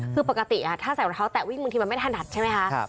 คือปกติถ้าใส่รองเท้าแตะวิ่งมันไม่ทันทัศน์ใช่ไหมครับ